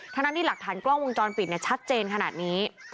ทั้งที่หลักฐานกล้องวงจรปิดชัดเจนขนาดนี้